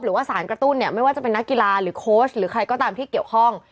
หรือว่าสารกระตุ้นเนี่ยไม่ว่าจะเป็นนักกีฬาหรือโค้ชหรือใครก็ตามที่เกี่ยวข้อง